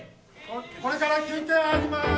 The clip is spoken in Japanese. これから休憩入ります！